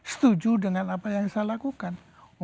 setuju dengan apa yang saya lakukan